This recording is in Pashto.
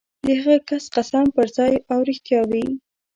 د هغه کس قسم به پرځای او رښتیا وي.